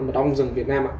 mật ong dừng ở việt nam ạ